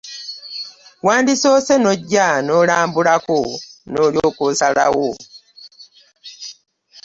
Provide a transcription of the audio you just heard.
Wandisoose n'ojja n'olambulako n'olyoka osalawo.